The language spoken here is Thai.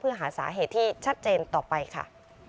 เพื่อหาสาเหตุที่ชัดเจนต่อไปค่ะ